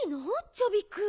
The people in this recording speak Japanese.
チョビくん。